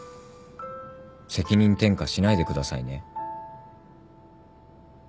責任転嫁しないでくださいね。